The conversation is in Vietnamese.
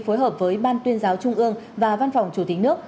phối hợp với ban tuyên giáo trung ương và văn phòng chủ tịch nước